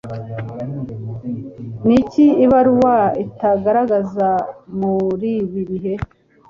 Niki Ibaruwa Itagaragaza Muribi bihe